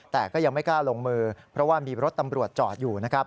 แต่ก็ยังไม่กล้าลงมือเพราะว่ามีรถตำรวจจอดอยู่นะครับ